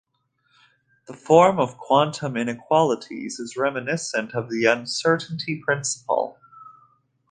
The form of the quantum inequalities is reminiscent of the uncertainty principle.